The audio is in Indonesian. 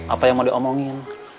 apa yang mau diomongin